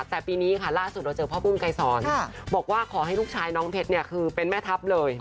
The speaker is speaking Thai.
แต่ปีนี้ค่ะล่าสุดเราเจอพ่อปุ้มไกรสอนบอกว่าขอให้ลูกชายน้องเพชรเนี่ยคือเป็นแม่ทัพเลย